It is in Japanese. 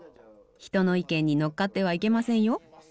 人の意見に乗っかってはいけませんよ。